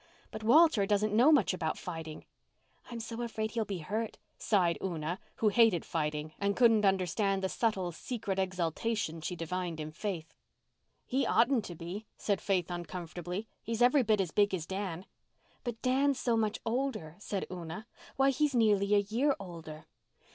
But Walter doesn't know much about fighting." "I'm so afraid he'll be hurt," sighed Una, who hated fighting and couldn't understand the subtle, secret exultation she divined in Faith. "He oughtn't to be," said Faith uncomfortably. "He's every bit as big as Dan." "But Dan's so much older," said Una. "Why, he's nearly a year older."